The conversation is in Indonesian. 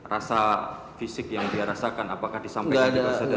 rasa fisik yang dia rasakan apakah disampaikan kepada saudara